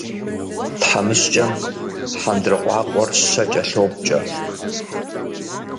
Тхьэмыщкӏэм хьэндыркъуакъуэр щэ кӏэлъопкӏэ.